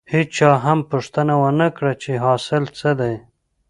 هېچا هم پوښتنه ونه کړه چې حاصل څه دی.